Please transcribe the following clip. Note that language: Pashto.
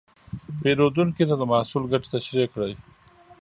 پیرودونکي ته د محصول ګټې تشریح کړئ.